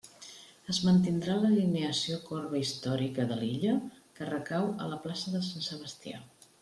Es mantindrà l'alineació corba històrica de l'illa que recau a la plaça de Sant Sebastià.